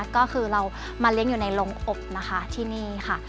ก็คือเรามาเลี้ยงอยู่ในโรงอบนะคะที่นี่ค่ะ